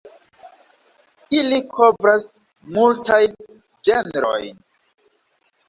Ili kovras multajn ĝenrojn.